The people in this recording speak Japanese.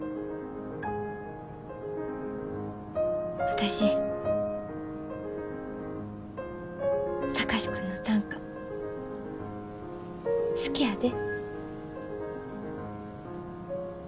私、貴司君の短歌好きやで。